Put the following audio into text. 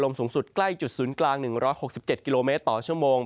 สูงสุดใกล้จุดศูนย์กลาง๑๖๗กิโลเมตรต่อชั่วโมง